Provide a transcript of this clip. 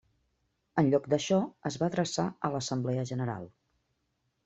En lloc d'això, es va adreçar a l'Assemblea General.